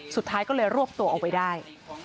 สุดท้ายก็เลยรวบตัวเอาไว้ได้